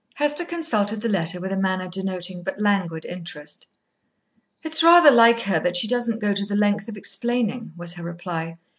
Hester consulted the letter with a manner denoting but languid interest. "It's rather like her that she doesn't go to the length of explaining," was her reply.